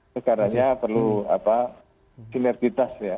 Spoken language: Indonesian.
sekarangnya perlu silertitas ya